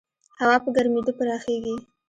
هوا په ګرمېدو پراخېږي.